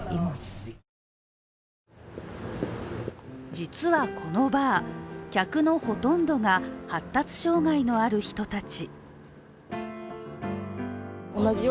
実はこのバー、客のほとんどが発達障害のある人たち。